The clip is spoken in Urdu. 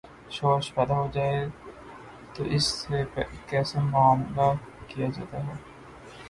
شورش پیدا ہو جائے تو اس سے کیسے معا ملہ کیا جاتا تھا؟